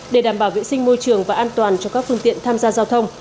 để đảm bảo vệ sinh môi trường và an toàn cho các phương tiện tham gia giao thông